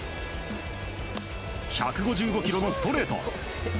１５５キロのストレート。